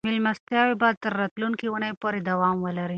مېلمستیاوې به تر راتلونکې اونۍ پورې دوام ولري.